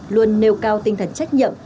luôn nêu cao tinh thần trách nhậm